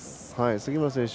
杉村選手